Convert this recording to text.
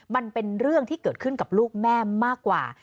มันเป็นเรื่องที่เกิดขึ้นกับลูกแม่มากกว่า